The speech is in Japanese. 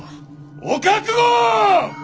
お覚悟！